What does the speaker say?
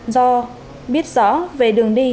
do biết rõ về đường đi